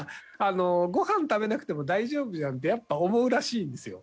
ご飯食べなくても大丈夫じゃんってやっぱ思うらしいんですよ。